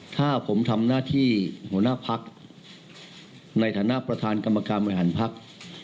ถ้าผมทำหน้าที่หัวหน้าพักในฐานะประธานกรรมการบริหารภักดิ์